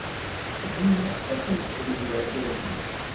Xdem akken xeddmen irgazen.